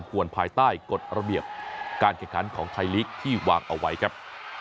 ควรภายใต้กฎระเบียบการแข่งขันของไทยลีกที่วางเอาไว้ครับ